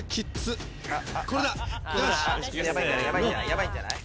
ヤバいんじゃない？